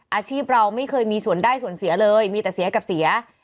อาชีพเราไม่เคยมีส่วนได้ส่วนเสียเลยมีแต่เสียกับเสีย